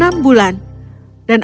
dan aku akan berbohong